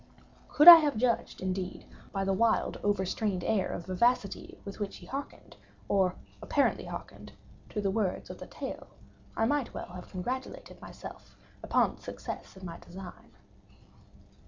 Could I have judged, indeed, by the wild overstrained air of vivacity with which he harkened, or apparently harkened, to the words of the tale, I might well have congratulated myself upon the success of my design.